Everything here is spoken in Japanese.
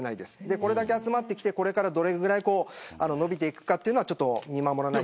これだけ集まってきてこれからどのぐらい伸びていくかというのは見守らないと。